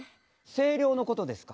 声量のことですか？